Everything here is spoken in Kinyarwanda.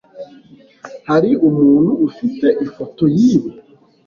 Hari umuntu ufite ifoto yibi?